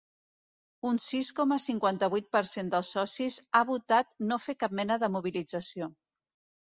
Un sis coma cinquanta-vuit per cent dels socis ha votat no fer cap mena de mobilització.